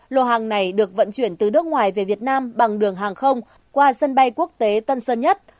lô hàng này được vận chuyển từ nước ngoài về việt nam bằng đường hàng không qua sân bay quốc tế tân sơn nhất